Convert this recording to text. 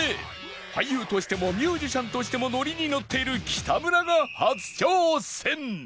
俳優としてもミュージシャンとしてもノリにのっている北村が初挑戦